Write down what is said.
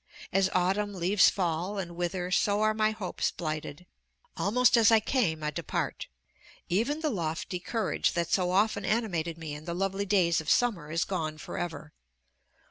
As autumn leaves fall and wither, so are my hopes blighted. Almost as I came, I depart. Even the lofty courage that so often animated me in the lovely days of summer is gone forever.